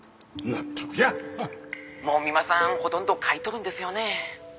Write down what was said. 「もう三馬さんほとんど書いとるんですよね？」